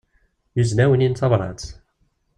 Yuzen-awen-in tabrat.